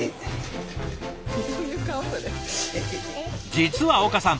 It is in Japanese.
実は岡さん